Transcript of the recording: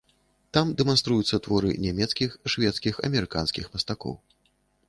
Там дэманструюцца творы нямецкіх, шведскіх, амерыканскіх мастакоў.